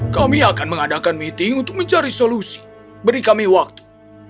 kami akan mengadakan meeting untuk mencari solusi beri kami waktu